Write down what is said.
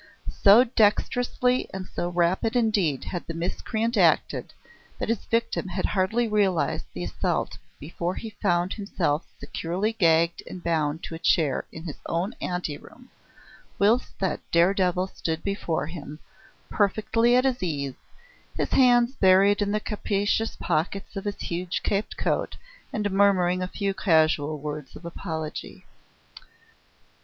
So dexterously and so rapidly indeed had the miscreant acted, that his victim had hardly realised the assault before he found himself securely gagged and bound to a chair in his own ante room, whilst that dare devil stood before him, perfectly at his ease, his hands buried in the capacious pockets of his huge caped coat, and murmuring a few casual words of apology.